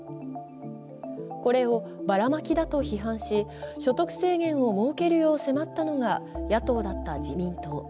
これをバラマキだと批判し、所得制限を設けるよう迫ったのが野党だった自民党。